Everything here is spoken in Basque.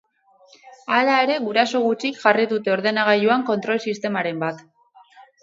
Hala ere, guraso gutxik jarri dute ordenagailuan kontrol sistemaren bat.